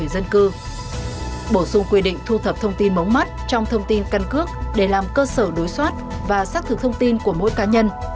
dân cư bổ sung quy định thu thập thông tin mống mắt trong thông tin căn cước để làm cơ sở đối soát và xác thực thông tin của mỗi cá nhân